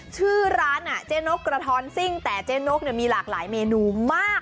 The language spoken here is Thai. ชื่อร้านเจ๊นกกระท้อนซิ่งแต่เจ๊นกมีหลากหลายเมนูมาก